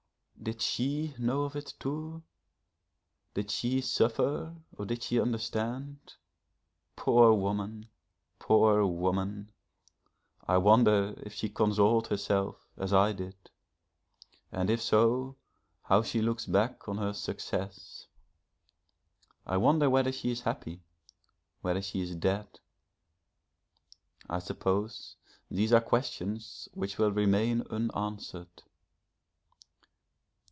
Did she know of it too? Did she suffer or did she understand? Poor woman! poor woman! I wonder if she consoled herself, as I did, and if so how she looks back on her success? I wonder whether she is happy, whether she is dead? I suppose these are questions which will remain unanswered.